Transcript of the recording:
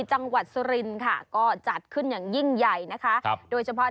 จังหวัดสุรินค่ะก็จัดขึ้นอย่างยิ่งใหญ่นะคะครับโดยเฉพาะ